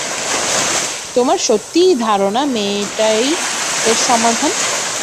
তোমার সত্যিই ধারণা মেয়েটাই এর সমাধান?